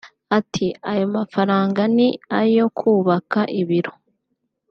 Ati “Ayo mafaranga ni ayo kubaka ibiro